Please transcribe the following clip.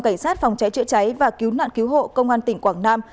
cảnh sát phòng cháy chữa cháy và cứu nạn cứu hộ công an tỉnh quảng nam